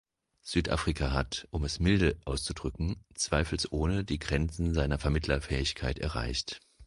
Südafrika hat, um es milde auszudrücken, zweifelsohne die Grenzen seiner Vermittlerfähigkeit erreicht.